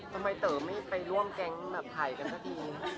ทำไมเต๋อไม่ไปร่วมแก๊งแบบไถกันสักที